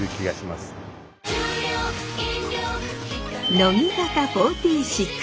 乃木坂４６。